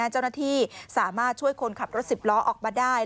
เจ้าหน้าที่สามารถช่วยคนขับรถ๑๐ล้อออกมาได้